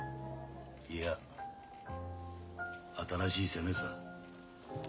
いや新しい攻めさ。